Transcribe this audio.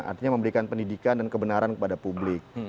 artinya memberikan pendidikan dan kebenaran kepada publik